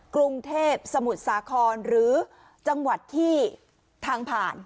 กรุงเทพสมุทรสาครหรือจังหวัดที่ทางผ่าน